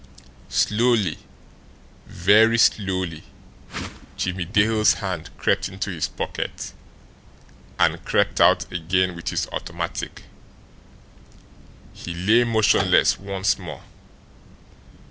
Slowly, very slowly, Jimmie Dale's hand crept into his pocket and crept out again with his automatic. He lay motionless once more.